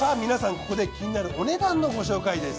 ここで気になるお値段のご紹介です。